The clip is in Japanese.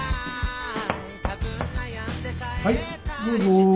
・はいどうぞ。